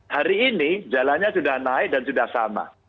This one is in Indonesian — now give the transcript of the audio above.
hari ini jalannya sudah naik dan sudah sama